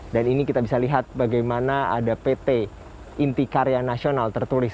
dan ini kita bisa lihat bagaimana ada pt inti karya nasional tertulis